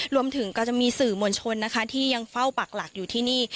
รวมถึงก็จะมีสื่อมวลชนนะคะที่ยังเฝ้าปักหลักอยู่ที่นี่